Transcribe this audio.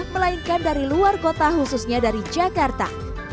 melainkan dari luar kota khususnya dari jakarta